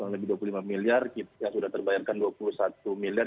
lebih dua puluh lima miliar yang sudah terbayarkan dua puluh satu miliar